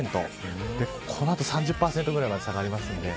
この後３０％くらいまで下がります。